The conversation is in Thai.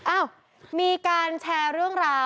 อ้าวมีการแชร์เรื่องราว